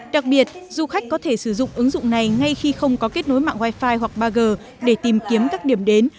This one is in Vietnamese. đặc biệt du khách có thể sử dụng ứng dụng này ngay khi không có kết nối mạng wifi hoặc ba g để tìm kiếm các điểm đến